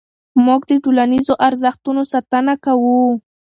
موږ د ټولنیزو ارزښتونو ساتنه کوو.